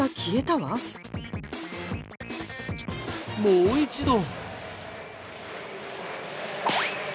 もう一度。